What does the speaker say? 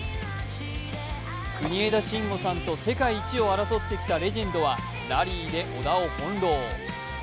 国枝慎吾さんと世界一を争ってきたレジェンドはラリーで小田を翻弄。